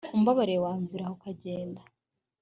umbabariye wamviraha ukagenda